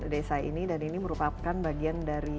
desa ini dan ini merupakan bagian dari